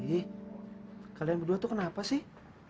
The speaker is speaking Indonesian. ih kalian berdua tuh kenapa sih